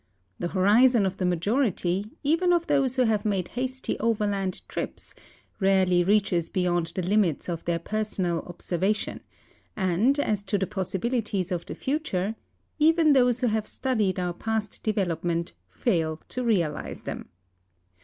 The horizon of the majority, even of those wlio have made liasty overland trips, rarely reaches heyond the limits of their personal observation, and as to the possil)ilities of the future — even those who have studied our past development fail to realize them.